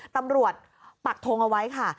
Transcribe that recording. ตำรวจปักทงเอาไว้ค่ะ